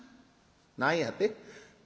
「何やて？